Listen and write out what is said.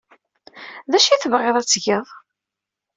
D acu ay tebɣiḍ ad t-geɣ?